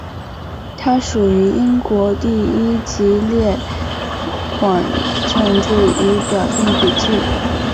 它属于英国第一级列管建筑与表定古迹。